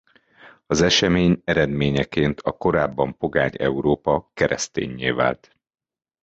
Az esemény eredményeként a korábban pogány Európa kereszténnyé vált.